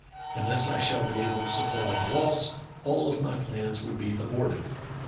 Unless I shall be able to supply the loss, all of my plans would be abortive.